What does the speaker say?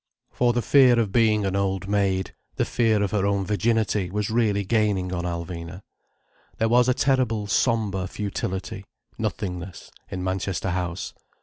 For the fear of being an old maid, the fear of her own virginity was really gaining on Alvina. There was a terrible sombre futility, nothingness, in Manchester House.